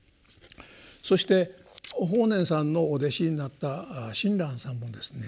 そして法然さんのお弟子になった親鸞さんもですね